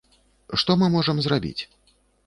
Што мы можам зрабіць?